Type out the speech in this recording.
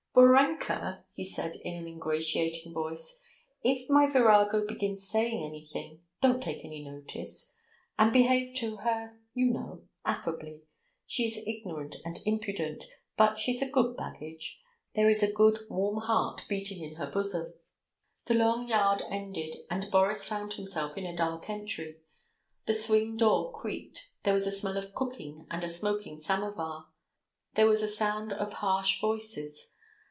"Borenka," he said in an ingratiating voice, "if my virago begins saying anything, don't take any notice ... and behave to her, you know, affably. She is ignorant and impudent, but she's a good baggage. There is a good, warm heart beating in her bosom!" The long yard ended, and Boris found himself in a dark entry. The swing door creaked, there was a smell of cooking and a smoking samovar. There was a sound of harsh voices.